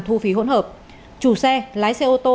thu phí hỗn hợp chủ xe lái xe ô tô